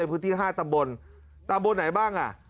พื้นที่๕ตามบนตามบนไหนบ้าง